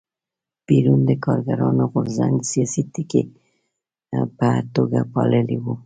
پېرون د کارګرانو غورځنګ د سیاسي تکیې په توګه پاللی و.